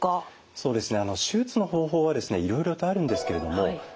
そうですね。